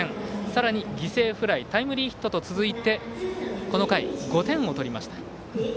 さらに犠牲フライタイムリーヒットと続いてこの回５点を取りました。